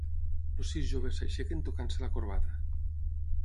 Els sis joves s'aixequen tocant-se la corbata.